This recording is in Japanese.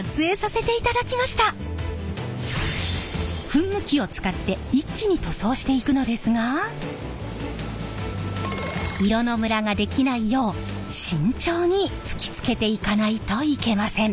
噴霧器を使って一気に塗装していくのですが色のムラができないよう慎重に吹きつけていかないといけません。